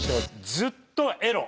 「ずっとエロ」。